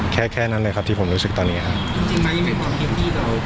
แค่แค่นั้นเลยครับที่ผมรู้สึกตอนนี้ครับ